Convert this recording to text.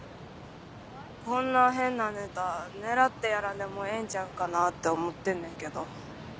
こんな変なネタ狙ってやらんでもええんちゃうかなって思ってんねんけど。